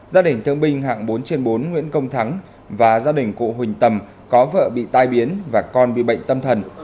gia đình thương binh hạng bốn trên bốn nguyễn công thắng và gia đình cụ huỳnh tầm có vợ bị tai biến và con bị bệnh tâm thần